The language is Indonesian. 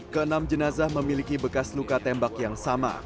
ke enam jenazah memiliki bekas luka tembak yang sama